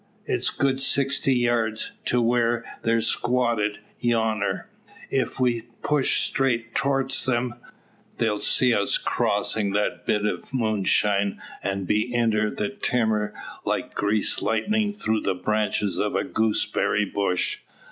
It's good sixty yurds to whar they're squatted yonner. Ef we push strait torst 'em, they'll see us crossin' that bit o' moonshine, an' be inter the timmer like greased lightnin' through the branches o' a gooseberry bush.